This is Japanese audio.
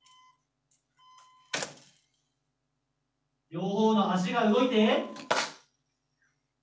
両方の脚が動いて。